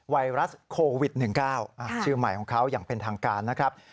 ไวรัสโควิด๑๙ชื่อใหม่ของเขาอย่างเป็นทางการนะครับ